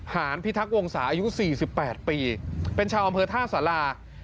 หานพิทักษ์วงศาอายุ๔๘ปีเป็นชาวอำเภอท่าสารา